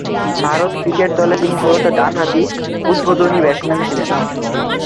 Bharat cricket দলে তিনি মূলতঃ ডানহাতি উদ্বোধনী ব্যাটসম্যান ছিলেন।